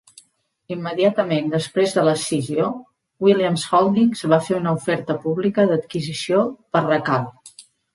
Immediatament després de l'escissió, Williams Holdings va fer una oferta pública d'adquisició per Racal.